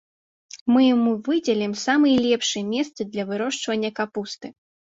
Мы яму выдзелім самыя лепшыя месцы для вырошчвання капусты.